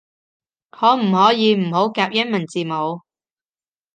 可唔可以唔好夾英文字母